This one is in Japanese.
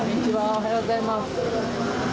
おはようございます。